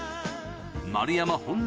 丸山・本並